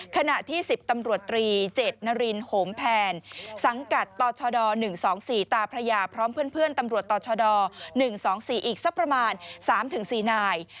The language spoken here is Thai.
ขณะที่๑๐ตำรวจตรี๗นรินโหมแพนสังกัดตชด๑๒๔ตาพระยาพร้อมเพื่อนตำรวจต่อชด๑๒๔อีกสักประมาณ๓๔นาย